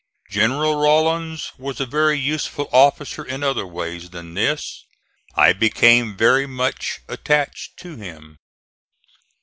General Rawlins was a very useful officer in other ways than this. I became very much attached to him.